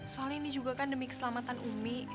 soalnya ini juga kan demi keselamatan umi